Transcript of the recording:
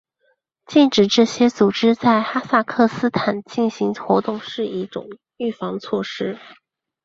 禁止这些组织在哈萨克斯坦进行活动是一种预防措施。